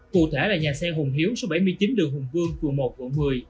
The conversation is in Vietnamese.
cụ thể là nhà xe hùng hiếu số bảy mươi chín đường hùng vương vùng một vùng một mươi